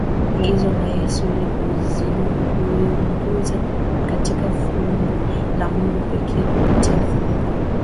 agizo la Yesu ili kuingizwa katika fumbo la Mungu pekee kupitia fumbo